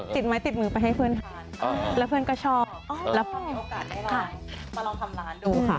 ติดไม้ติดมือไปให้เพื่อนทานแล้วเพื่อนก็ชอบแล้วพอมีโอกาสได้ลองมาลองทำร้านดูค่ะ